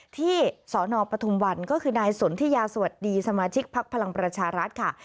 สนปฐุมวันก็คือนายสนทิยาสวัสดีสมาชิกพักพลังประชารัฐค่ะ